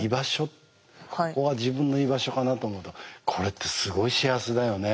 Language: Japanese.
ここは自分の居場所かなと思うとこれってすごい幸せだよね。